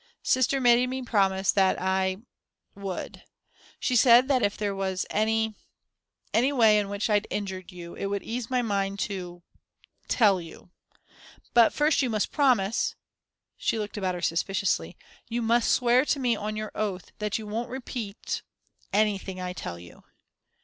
"Sister made me promise that I would; she said that if there was any any way in which I'd injured you, it would ease my mind to tell you. But first you must promise" she looked about her suspiciously "you must swear to me on your oath that you won't repeat anything I tell you."